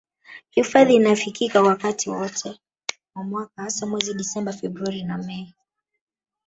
Hifadhi inafikika wakati wote wa mwaka hasa mwezi disemba februari na mei